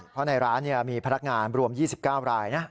เพราะในร้านมีพนักงานรวม๒๙รายนะ